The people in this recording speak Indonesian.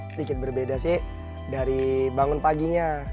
sedikit berbeda sih dari bangun paginya